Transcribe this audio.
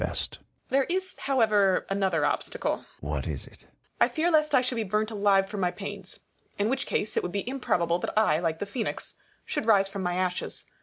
There is however yet another obstacle. Sion. What is it ? Copernicus. I fear lest I should be burnt alive for my pains. In which case, it would be improbable that I, like the Phoenix, should rise from my ashes.